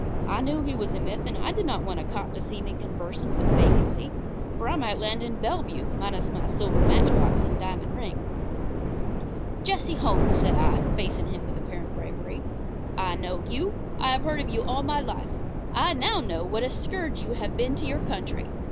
I knew he was a myth, and I did not want a cop to see me conversing with vacancy, for I might land in Bellevue minus my silver matchbox and diamond ring. "Jesse Holmes," said I, facing him with apparent bravery, "I know you. I have heard of you all my life. I know now what a scourge you have been to your country.